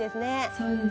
そうです。